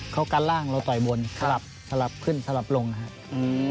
เขากันล่างเราต่อยบนสลับสลับขึ้นสลับลงนะครับ